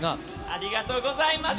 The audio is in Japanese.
ありがとうございます。